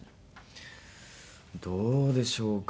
どうでしょうか。